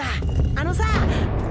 あのさ。